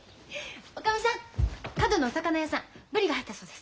おかみさん角のお魚屋さんブリが入ったそうです。